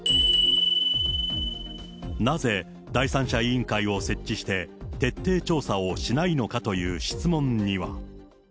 なぜ第三者委員会を設置して、徹底調査をしないのかという質問には。